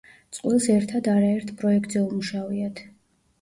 წყვილს ერთად არაერთ პროექტზე უმუშავიათ.